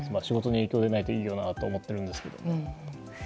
仕事に影響が出ないといいなと思ってるんですけど。